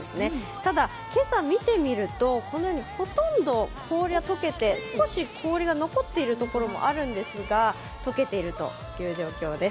ただ、今朝見てみると、ほとんど氷はとけて、少し氷が残っているところもあるんですが、解けているという状況です。